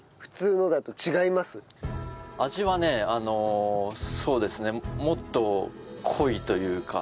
味はねあのそうですねもっと濃いというか。